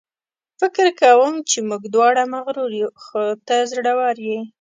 فکر کوم چې موږ دواړه مغرور یو، خو ته زړوره یې.